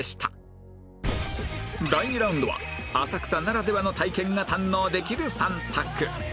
第２ラウンドは浅草ならではの体験が堪能できる３択！